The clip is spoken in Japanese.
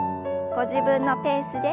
ご自分のペースで。